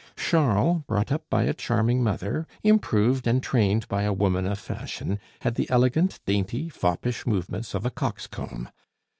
Charles, brought up by a charming mother, improved, and trained by a woman of fashion, had the elegant, dainty, foppish movements of a coxcomb.